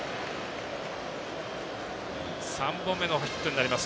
３本目のヒットになります。